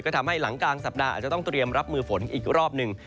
ก็ทำให้หลังกลางสัปดาห์อาจจะต้องเตรียมรับมือฝนอีกรอบหนึ่ง